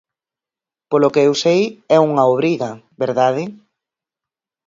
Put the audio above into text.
Polo que eu sei é unha obriga ¿verdade?